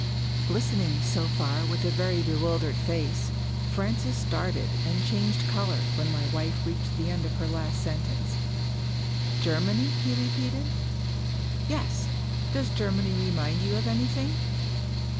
Listening, so far, with a very bewildered face, Francis started and changed color when my wife reached the end of her last sentence. " Germany ?" he repeated. "Yes. Does Germany remind you of anything?"